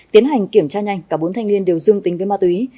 tiến hành kiểm tra nhanh cả bốn thanh niên đều dương tính với ma túy